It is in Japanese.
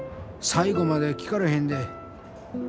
最後まで聴かれへんで。